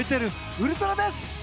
ウルトラです！